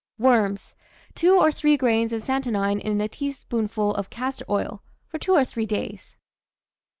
WORMS. Two or three grains of santonine in a teaspoonful of castor oil, for two or three days.